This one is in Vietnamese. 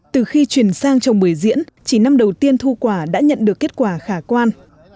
từ khi chuyển sang trồng bưởi diễn chỉ năm đầu tiên thu quả đã nhận được kết quả khả quan